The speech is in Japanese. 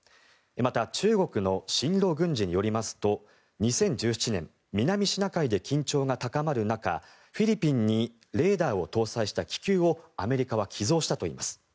また中国の新浪軍事によりますと２０１７年南シナ海で緊張が高まる中フィリピンにレーダーを搭載した気球をアメリカは寄贈したといいます。